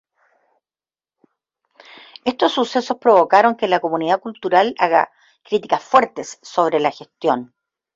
Estos sucesos provocaron que la comunidad cultural haga críticas fuertes sobre la gestión.